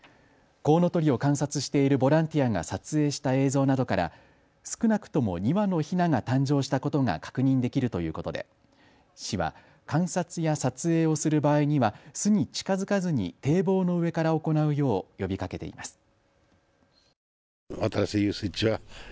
コウノトリを観察しているボランティアが撮影した映像などから少なくとも２羽のヒナが誕生したことが確認できるということで市は観察や撮影をする場合には巣に近づかずに堤防の上から行うよう呼びかけています。